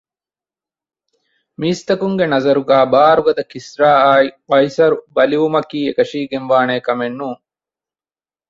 މީސްތަކުންގެ ނަޒަރުގައި ބާރުގަދަ ކިސްރާއާ ޤައިޞަރު ބަލިވުމަކީ އެކަށީގެންވާނޭ ކަމެއްނޫން